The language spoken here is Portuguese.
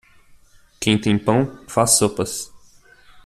Quem tem pão, faz sopas.